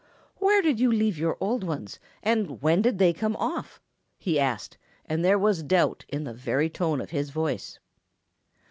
"Where did you leave your old ones and when did they come off?" he asked, and there was doubt in the very tone of his voice.